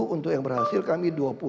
untuk yang berhasil kami dua puluh